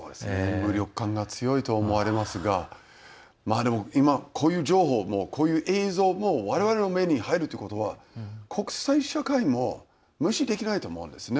無力感が強いと思われますがこういう情報も、映像もわれわれの目に入るということは国際社会も無視できないと思うんですね。